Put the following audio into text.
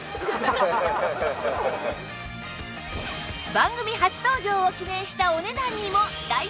番組初登場を記念したお値段にも大注目です！